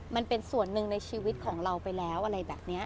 มันเป็นส่วนหนึ่งในชีวิตของเราไปแล้วอะไรแบบนี้